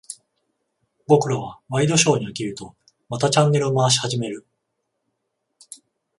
僕らはワイドショーに飽きると、またチャンネルを回し始める。